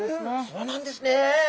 そうなんですね。